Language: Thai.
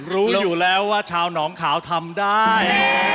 รู้อยู่แล้วว่าชาวหนองขาวทำได้